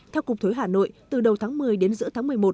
theo cục thuế hà nội từ đầu tháng một mươi đến giữa tháng một mươi một